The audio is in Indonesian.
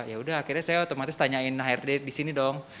yaudah akhirnya saya otomatis tanyain hrd di sini dong